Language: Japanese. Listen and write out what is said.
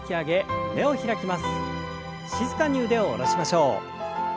静かに腕を下ろしましょう。